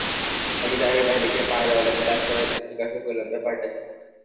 আমি দ্বারের বাহিরে গিয়া পাহারাওয়ালাকে দাঁড় করাইলাম, জিজ্ঞাসা করিলাম, ব্যাপারটা কী।